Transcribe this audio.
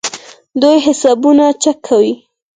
دوی حسابونه چک کوي.